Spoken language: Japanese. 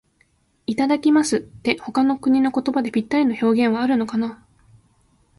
「いただきます」って、他の国の言葉でぴったりの表現はあるのかな。